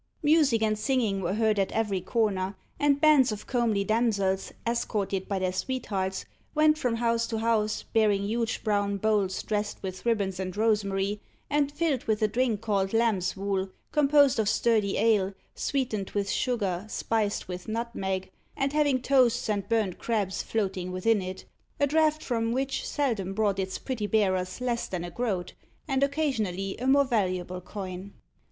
Music and singing were heard at every corner, and bands of comely damsels, escorted by their sweethearts, went from house to house, bearing huge brown bowls dressed with ribands and rosemary, and filled with a drink called "lamb's wool," composed of sturdy ale, sweetened with sugar, spiced with nutmeg, and having toasts and burnt crabs floating within it a draught from which seldom brought its pretty bearers less than a groat, and occasionally a more valuable coin.